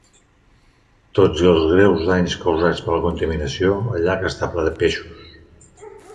Tot i els greus danys causats per la contaminació, el llac està ple de peixos.